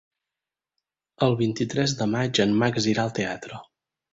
El vint-i-tres de maig en Max irà al teatre.